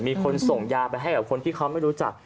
มีคนส่งยาไปให้กับคนที่เขาไม่รู้จัก